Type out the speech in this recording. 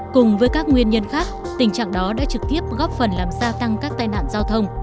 cùng với các nguyên nhân khác tình trạng đó đã trực tiếp góp phần làm gia tăng các tai nạn giao thông